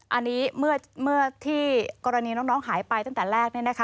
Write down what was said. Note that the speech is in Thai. อันนี้เมื่อที่กรณีน้องหายไปตั้งแต่แรก